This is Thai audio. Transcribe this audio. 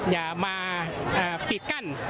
อย่ามาปิดกั้น